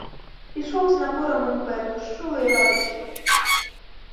Ішоў з напорам імпэту, з чулай радасцю.